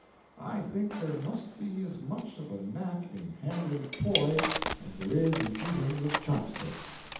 I think there must be as much of a knack in handling poi as there is in eating with chopsticks.